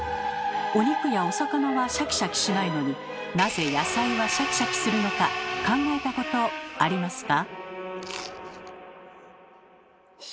お肉やお魚はシャキシャキしないのになぜ野菜はシャキシャキするのか考えたことありますか？